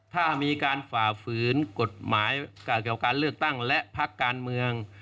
ถ้ามีการฝ่าฝืนกฎหมายเกี่ยวกับการเลือกตั้งและพักการเมือง